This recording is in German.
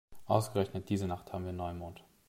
Ausgerechnet diese Nacht haben wir Neumond.